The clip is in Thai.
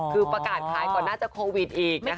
คือประกาศขายก่อนน่าจะโควิดอีกนะคะ